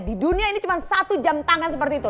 di dunia ini cuma satu jam tangan seperti itu